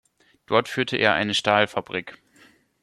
Dort führte er eine Stahlfabrik.